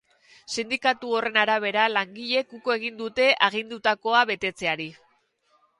Sindikatu horren arabera, langileek uko egin dute agindutakoa betetzeari.